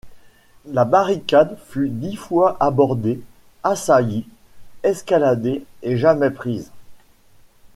La barricade fut dix fois abordée, assaillie, escaladée, et jamais prise.